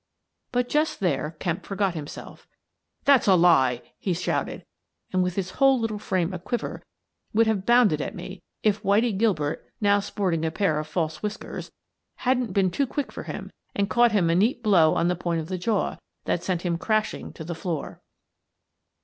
But just there Kemp forgot himself. " That's a lie !" he shouted, and, with his whole little frame aquiver, would have bounded at me if Whitie Gilbert — now sporting a pair of false whiskers — hadn't been too quick for him and caught him a neat blow on the point of the jaw that sent him crashing to the floor.